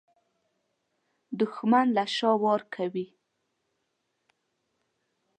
دښمن له شا وار کوي